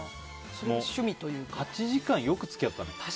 ８時間よく付き合ったね。